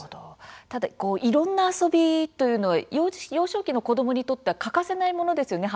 ただいろんな遊びは幼児期の子どもにとっては欠かせないものですよね